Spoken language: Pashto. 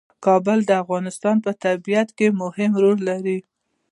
کابل د افغانستان په طبیعت کې مهم رول لري.